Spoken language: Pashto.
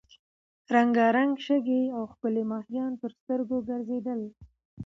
رنګارنګ شګې او ښکلي ماهیان تر سترګو ګرځېدل.